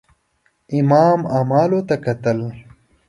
امام عملو ته کتل.